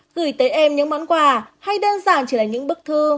gửi tới em những món quà hay đơn giản chỉ là những bức thư